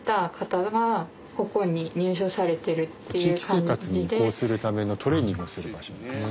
地域生活に移行するためのトレーニングをする場所ですね。